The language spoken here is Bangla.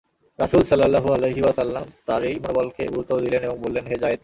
রাসূল সাল্লাল্লাহু আলাইহি ওয়াসাল্লাম তাঁর এই মনোবলকে গুরুত্ব দিলেন এবং বললেন, হে যায়েদ!